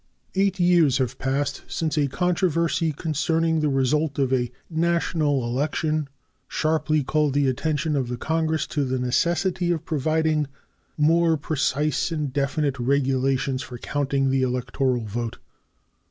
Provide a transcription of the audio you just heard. Eight years have passed since a controversy concerning the result of a national election sharply called the attention of the Congress to the necessity of providing more precise and definite regulations for counting the electoral vote.